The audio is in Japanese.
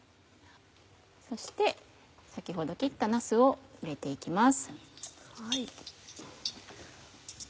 そして先ほど切ったなすを入れて行きます。